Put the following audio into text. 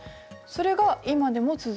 それが今でも続いてる。